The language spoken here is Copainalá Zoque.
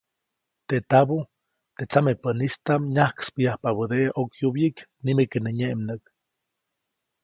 Teʼ tabuʼ, teʼ tsamepäʼnistaʼm nyajkspäyajpabädeʼe ʼokyubyiʼk, nimeke nä nyeʼmnäʼk.